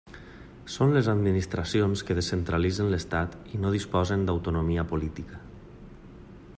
Són les administracions que descentralitzen l'estat i no disposen d'autonomia política.